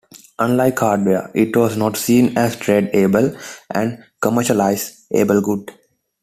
Unlike hardware, it was not seen as trade-able and commercialize-able good.